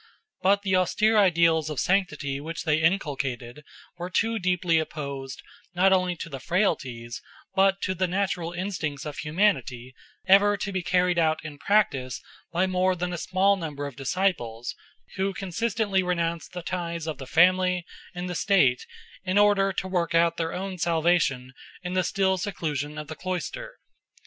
But the austere ideals of sanctity which they inculcated were too deeply opposed not only to the frailties but to the natural instincts of humanity ever to be carried out in practice by more than a small number of disciples, who consistently renounced the ties of the family and the state in order to work out their own salvation in the still seclusion of the cloister.